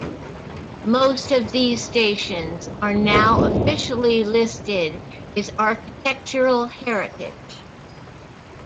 Most of these stations are now officially listed as architectural heritage.